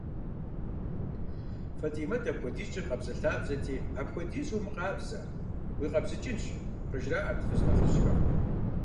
Фэтимэт апхуэдизкӏэ къабзэлъабзэти, «апхуэдизу умыкъабзэ, уикъабзыкӏынщ» къыжраӏэрт фыз нэхъыжьхэм.